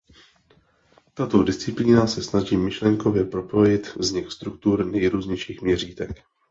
Tato disciplína se snaží myšlenkově propojit vznik struktur nejrůznějších měřítek.